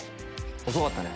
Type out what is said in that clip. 遅かったね。